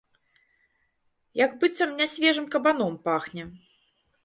Як быццам нясвежым кабаном пахне.